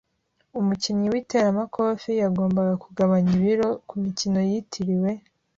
Umukinnyi w'iteramakofe yagombaga kugabanya ibiro kumikino yitiriwe.